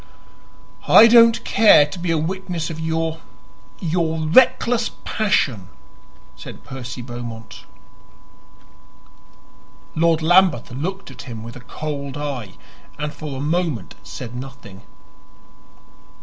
"I don't care to be a witness of your your reckless passion," said Percy Beaumont. Lord Lambeth looked at him with a cold eye and for a moment said nothing.